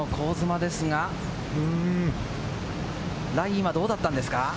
佐藤さん、香妻ですが、ライはどうだったんですか？